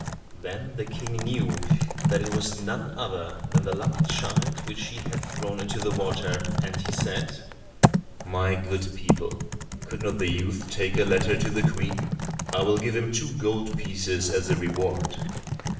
Then the King knew that it was none other than the luck child which he had thrown into the water, and he said, "My good people, could not the youth take a letter to the Queen; I will give him two gold pieces as a reward?"